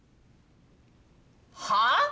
はあ？